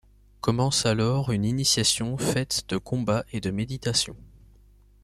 Commence alors une initiation faite de combats et de méditation.